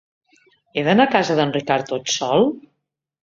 He d'anar a casa d'en Ricard tot sol?